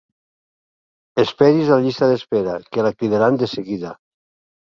Esperi's a la llista d'espera, que la cridaran de seguida.